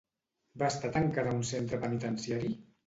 Va estar tancada a un centre penitenciari?